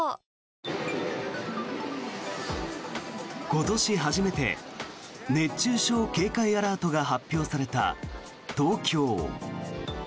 今年初めて熱中症警戒アラートが発表された東京。